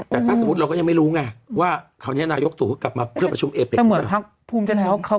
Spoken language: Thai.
แต่ถ้าสมมติเราก็ยังไม่รู้ไงว่าคราวนี้ยกสูตรอะไรเอเบก